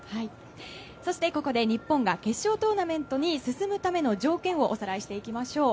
そしてここで日本が決勝トーナメントに進むための条件をおさらいしておきましょう。